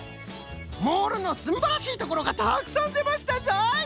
モールのすんばらしいところがたくさんでましたぞい！